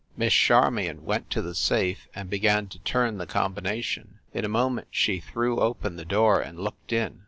Miss Charmion went to the safe and began to turn the combination. In a moment she threw open the door and looked in.